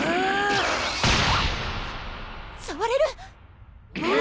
触れる！